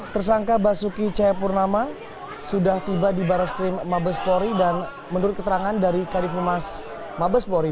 tersangka basuki cahayapurnama sudah tiba di barreskrim mabespori dan menurut keterangan dari kadifumas mabespori